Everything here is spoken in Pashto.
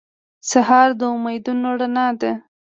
سهار د امیدونو رڼا ده.